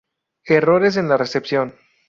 Errores en la recepción.